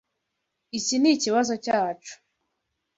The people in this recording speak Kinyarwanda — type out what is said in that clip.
Iki nikibazo cyacu.